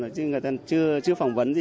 chứ người ta chưa phỏng vấn gì